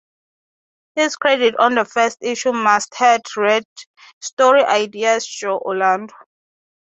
His credit on the first issue masthead read: Story Ideas: Joe Orlando.